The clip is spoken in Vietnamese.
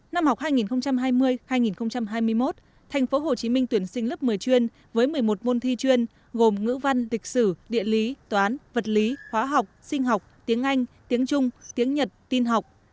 năm học hai nghìn hai mươi hai nghìn hai mươi một tp hcm tuyển sinh lớp một mươi chuyên với một mươi một môn thi chuyên gồm ngữ văn lịch sử địa lý toán vật lý hóa học sinh học tiếng anh tiếng trung tiếng nhật tin học